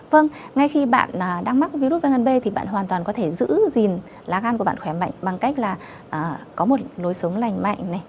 vâng ngay khi bạn đang mắc virus viêm gan b thì bạn hoàn toàn có thể giữ gìn lá gan của bạn khỏe mạnh bằng cách là có một nối sống lành mạnh